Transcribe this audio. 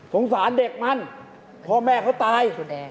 สงสารเด็กมันพ่อแม่เขาตาย